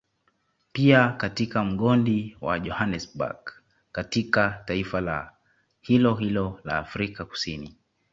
Pia katika mgodi wa Johanesberg katika taifa la hilohilo la Afrika kusini